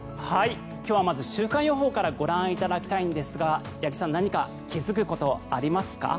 今日はまず週間予報からご覧いただきたいんですが八木さん何か気付くことありますか？